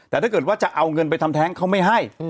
แต่ถ้าเกิดว่าจะเอาเงินไปทำแท้งเขาไม่ให้